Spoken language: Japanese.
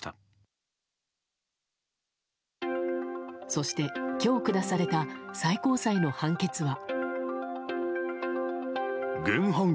そして、今日下された最高裁の判決は。